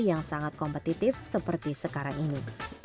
yang sangat kompetitif seperti sekarang ini